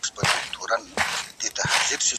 سیاسي ګوندونو ازاد فعالیت کاوه.